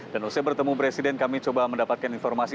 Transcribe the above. dan setelah bertemu presiden kami coba mendapatkan informasi